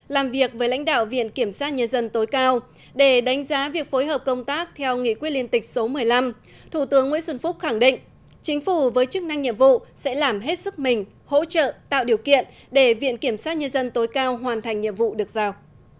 làm việc với lãnh đạo viện kiểm sát nhân dân tối cao để đánh giá việc phối hợp công tác theo nghị quyết liên tịch số một mươi năm thủ tướng nguyễn xuân phúc khẳng định chính phủ với chức năng nhiệm vụ sẽ làm hết sức mình hỗ trợ tạo điều kiện để viện kiểm sát nhân dân tối cao hoàn thành nhiệm vụ được giao